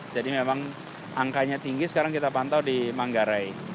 jadi memang angkanya tinggi sekarang kita pantau di manggarai